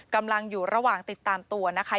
กำลังอยู่ระหว่างติดตามตัวนะคะ